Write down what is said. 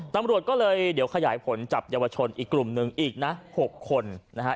ตำรวจก็เลยเดี๋ยวขยายผลจับเยาวชนอีกกลุ่มหนึ่งอีกนะ๖คนนะฮะ